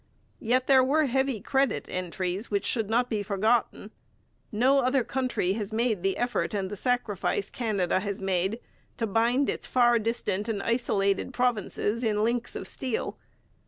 Yet there were heavy credit entries which should not be forgotten. No other country has made the effort and the sacrifice Canada has made to bind its far distant and isolated provinces in links of steel.